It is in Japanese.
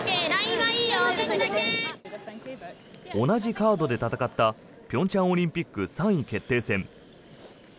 同じカードで戦った平昌オリンピック３位決定戦。